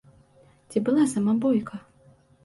Ці была сама бойка?